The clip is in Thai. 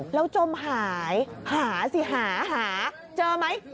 แล้วจมหายหาสิหาหาเจอไหม